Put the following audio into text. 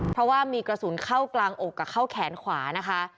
เพราะว่ามีกระสุนเข้ากลางอกกับเข้าแขนขวานะคะ